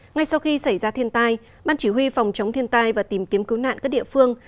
ngay sau khi xảy ra thiên tai ban chỉ huy phòng chống thiên tai và tìm kiếm cứu nạn các địa phương